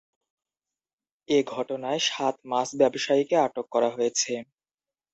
এ ঘটনায় সাত মাছ ব্যবসায়ীকে আটক করা হয়েছে।